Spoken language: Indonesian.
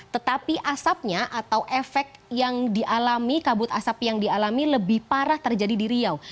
tetapi asapnya atau efek yang dialami kabut asap yang dialami lebih parah terjadi di riau